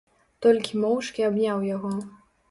Толькі моўчкі абняў яго.